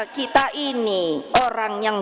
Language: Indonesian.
kita ini orang yang